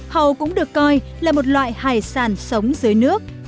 hầu cũng được coi là một loại hải sản sống dưới nước